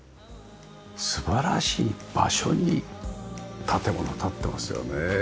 素晴らしい場所に建物立ってますよね。